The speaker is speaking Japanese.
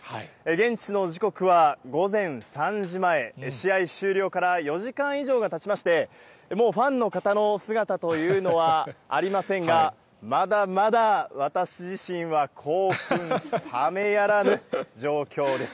現地の時刻は午前３時前、試合終了から４時間以上がたちまして、もうファンの方の姿というのはありませんが、まだまだ私自身は興奮さめやらぬ状況です。